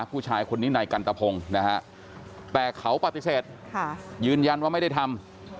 ผู้ชายคนนี้นายกันตะพงศ์นะฮะแต่เขาปฏิเสธยืนยันว่าไม่ได้ทำ